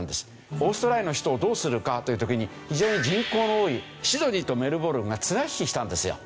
オーストラリアの首都をどうするかという時に非常に人口の多いシドニーとメルボルンが綱引きしたんですよ。